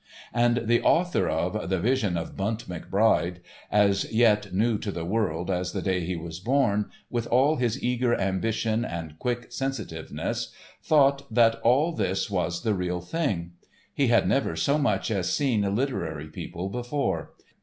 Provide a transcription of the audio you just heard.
And the author of "The Vision of Bunt McBride," as yet new to the world as the day he was born, with all his eager ambition and quick sensitiveness, thought that all this was the real thing. He had never so much as seen literary people before.